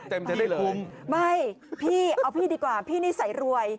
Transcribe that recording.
เต็มที่เลยไม่พี่เอาพี่ดีกว่าพี่นิสัยรวย